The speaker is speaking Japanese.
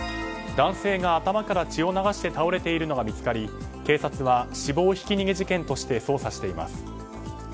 男性が頭から血を流して倒れているのが見つかり警察は死亡ひき逃げ事件として捜査しています。